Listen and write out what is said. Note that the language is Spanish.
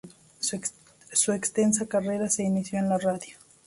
Su extensa carrera se inició en la radio.